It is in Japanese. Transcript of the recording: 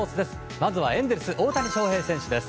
まずはエンゼルス、大谷翔平選手です。